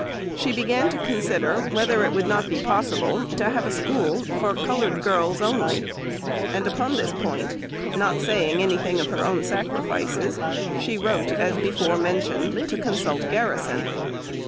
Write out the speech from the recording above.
She began to consider whether it would not be possible to have a school for coloured girls only; and upon this point, not saying anything of her own sacrifices, she wrote, as before mentioned, to consult Garrison.